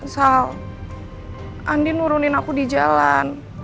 sal andi nurunin aku di jalan